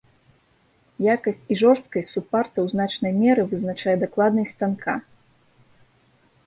Якасць і жорсткасць супарта ў значнай меры вызначае дакладнасць станка.